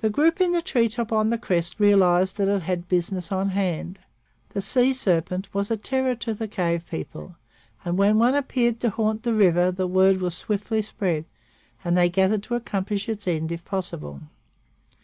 The group in the treetop on the crest realized that it had business on hand. The sea serpent was a terror to the cave people, and when one appeared to haunt the river the word was swiftly spread, and they gathered to accomplish its end if possible.